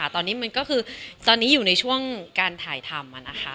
ตอนนี้มันก็คือตอนนี้อยู่ในช่วงการถ่ายทำ